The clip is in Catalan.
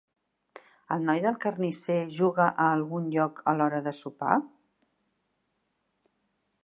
El noi del carnisser juga a algun lloc a l'hora de sopar?